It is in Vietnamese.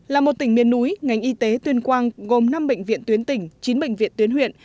là một tỉnh miền núi ngành y tế tuyên quang gồm năm bệnh viện tuyến tỉnh chín bệnh viện tuyến huyện